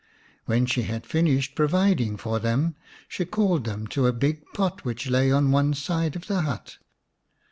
When she had finished providing for them, she called them to a big pot which lay on one side of the hut.